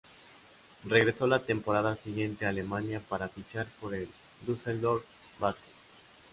Regresó la temporada siguiente a Alemania para fichar por el Düsseldorf Baskets.